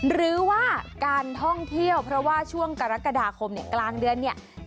หรือว่าการท่องเที่ยวเพราะว่าช่วงกรกฎาคมเนี่ยกลางเดือนเนี่ย